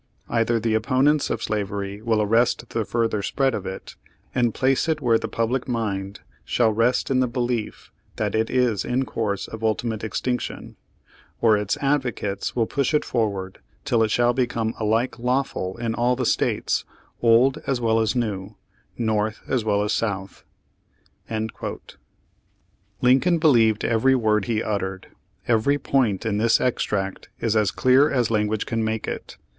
Either the opponents of slavery will arrest the further spread of it, and place it where the public mind shall rest 5 Page Thirty four in the belief that it is in course of ultimate extinction; or its advocates will push it forward, till it shall become alike lawful in all the states, old as well as new — North as well as South," ^ Lincoln believed every word he uttered. Every point in this extract is as clear as language can make it.